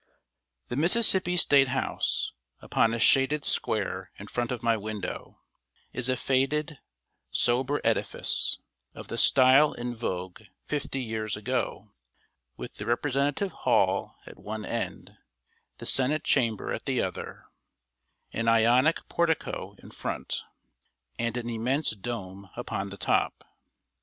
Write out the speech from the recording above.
] The Mississippi State House, upon a shaded square in front of my window, is a faded, sober edifice, of the style in vogue fifty years ago, with the representative hall at one end, the senate chamber at the other, an Ionic portico in front, and an immense dome upon the top.